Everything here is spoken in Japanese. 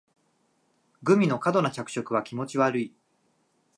グミの過度な着色は気持ち悪い